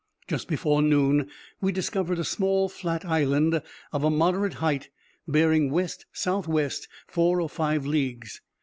Just before noon, we discovered a small flat island, of a moderate height, bearing west south west four or five leagues.